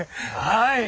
はい。